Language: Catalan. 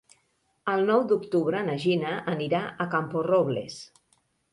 El nou d'octubre na Gina anirà a Camporrobles.